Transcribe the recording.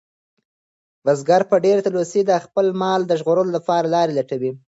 بزګر په ډېرې تلوسې د خپل مال د ژغورلو لپاره لارې لټولې.